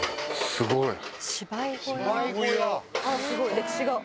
すごい歴史が。